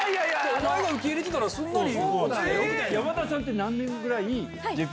お前が受け入れたらすんなり。